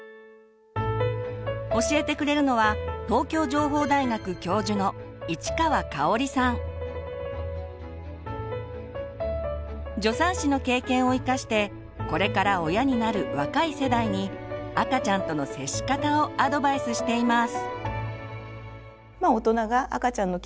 教えてくれるのは助産師の経験を生かしてこれから親になる若い世代に赤ちゃんとの接し方をアドバイスしています。